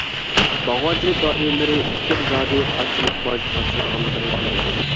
باغۋەنچىلىك ئائىلىلىرى كىم زادى قانچىلىك باج تاپشۇرىدىغانلىقىنى بىلمەيدۇ.